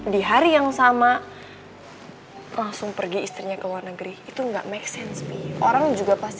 di hari yang sama langsung pergi istrinya ke luar negeri itu enggak make sense orang juga pasti